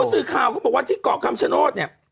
สื่อข่าวเขาบอกว่าที่เกาะคำชโนธเนี่ย